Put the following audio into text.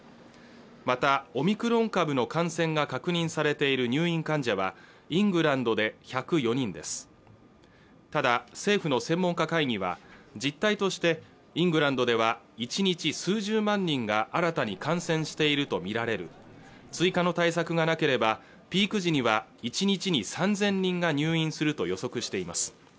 またオミクロン株の感染が確認されている入院患者はイングランドで１０４人ですただ政府の専門家会議は実態としてイングランドでは１日数十万人が新たに感染していると見られる追加の対策がなければピーク時には１日に３０００人が入院すると予測しています